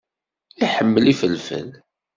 Iḥemmel ifelfel.